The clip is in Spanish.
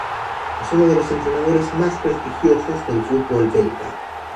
Es uno de los entrenadores más prestigiosos del fútbol belga.